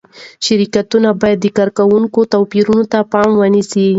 شرکتونه باید د کارکوونکو توپیرونه په پام کې ونیسي.